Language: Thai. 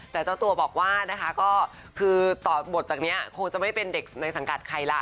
แต่เจ้าตัวบอกว่านะคะก็คือต่อบทจากนี้คงจะไม่เป็นเด็กในสังกัดใครล่ะ